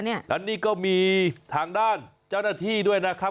แล้วนี่ก็มีทางด้านเจ้าหน้าที่ด้วยนะครับ